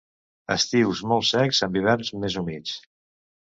Estius molt secs amb hiverns més humits.